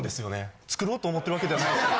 作ろうと思ってるわけではないんです。